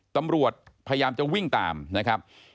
ตำรวจพยายามจะวิ่งตามนะครับ